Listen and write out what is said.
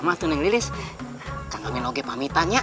bagus sekali kau datang